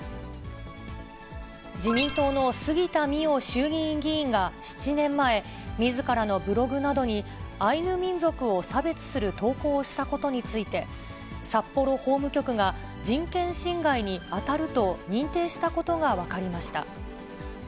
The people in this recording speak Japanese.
自民党の杉田水脈衆議院議員が、７年前、みずからのブログなどに、アイヌ民族を差別する投稿をしたことについて、札幌法務局が、人権侵害に当たると認定したことが分かりました。